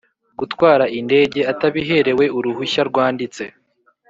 gutwara indege atabiherewe uruhushya rwanditse